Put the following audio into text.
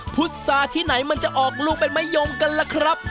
พุษาที่ไหนมันจะออกลูกเป็นมะยมกันล่ะครับ